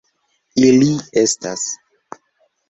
Ili estas.